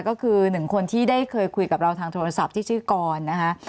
ก็คือหนึ่งคนที่ได้เคยคุยกับเราทางโทรศัพท์ที่ชื่อกรนะคะ